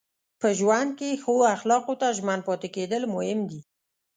په ژوند کې ښو اخلاقو ته ژمن پاتې کېدل مهم دي.